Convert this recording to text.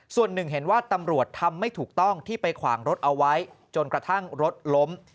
ส่วนหนึ่งเห็นว่าตำรวจทำไม่ถูกต้องที่ไปขวางรถเอาไว้จนกระทั่งรถล้ม